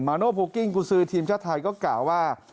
โนโพกิ้งกุศือทีมชาติไทยก็กล่าวว่า